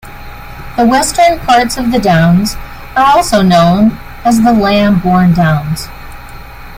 The western parts of the downs are also known as the Lambourn Downs.